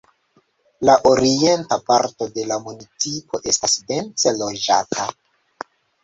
La orienta parto de la municipo estas dense loĝata.